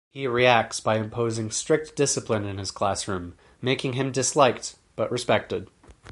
He reacts by imposing strict discipline in his classroom, making him disliked but respected.